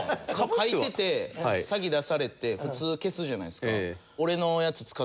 書いてて先に出されて普通消すじゃないですか。